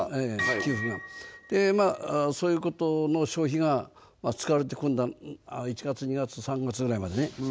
給付がそういうことの消費が使われてくる１月２月３月ぐらいまでね